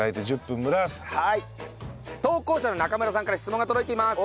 投稿者の中村さんから質問が届いています！